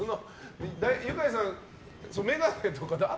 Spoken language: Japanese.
ユカイさん、眼鏡とか。